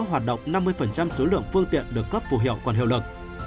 hoạt động năm mươi số lượng phương tiện được cấp phù hiệu còn hiệu lực